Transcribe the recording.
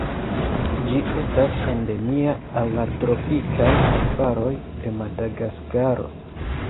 Ĝi estas endemia al la tropikaj arbaroj de Madagaskaro.